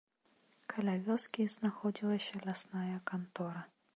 Каля вёскі знаходзілася лясная кантора.